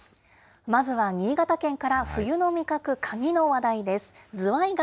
まずは新潟県から冬の味覚、カニの話題です。